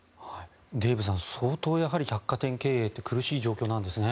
デーブさん相当、百貨店経営は苦しい状態なんですね。